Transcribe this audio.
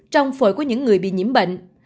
trong phổi của những người bị nhiễm bệnh